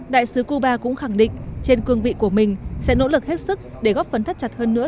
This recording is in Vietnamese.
đại sứ cuba cũng khẳng định trên cương vị của mình sẽ nỗ lực hết sức để góp phấn thất chặt hơn nữa